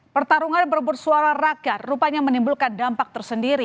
pertarungan berpersoara rakyat rupanya menimbulkan dampak tersebut